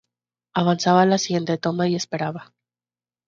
Avanzaba a la siguiente toma y esperaba.